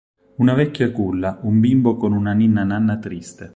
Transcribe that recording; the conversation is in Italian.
Una vecchia culla un bimbo con una ninna nanna triste.